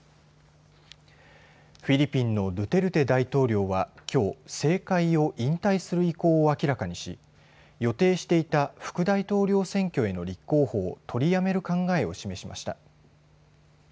フィリピンのドゥテルテ大統領はきょう、政界を引退する意向を明らかにし予定していた副大統領選挙への立候補を取りやめる考えを示しました。